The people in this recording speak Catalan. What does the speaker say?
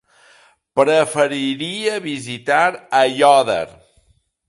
Preferiria visitar Aiòder.